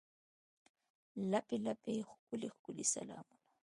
لپې، لپې ښکلي، ښکلي سلامونه